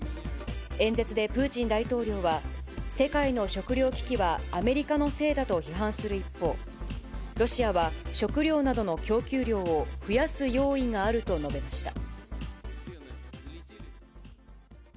演説でプーチン大統領は、世界の食糧危機はアメリカのせいだと批判する一方、ロシアは食料などの供給量を増やす用意があると述べました。